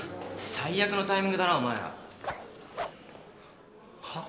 最悪のタイミングだなお前ら。はっ？